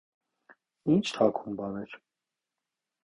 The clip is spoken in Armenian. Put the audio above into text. Ի՞նչ թաքուն բաներ: